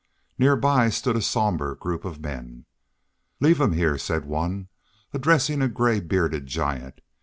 Near by stood a sombre group of men. "Leave him here," said one, addressing a gray bearded giant.